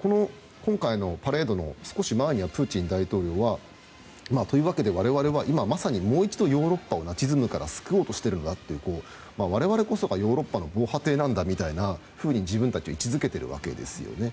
この今回のパレードの前にはプーチン大統領は我々はまさにもう一度ヨーロッパからナチズムを救おうとしているんだという我々こそがヨーロッパの防波堤なんだみたいなふうに自分たちを位置付けているわけですよね。